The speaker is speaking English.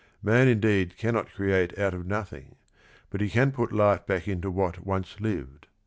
Man indeed can not create out ot "nothing, but he can put life back into what once lived.